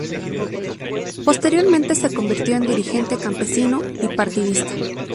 Posteriormente se convirtió en dirigente campesino y partidista.